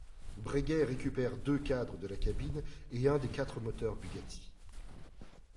Breguet récupère deux cadres de la cabine et un des quatre moteurs Bugatti.